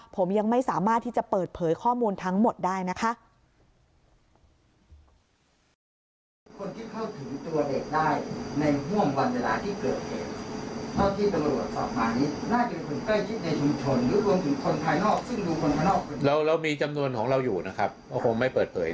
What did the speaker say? ผมยังไม่สามารถที่จะเปิดเผยข้อมูลทั้งหมดได้นะคะ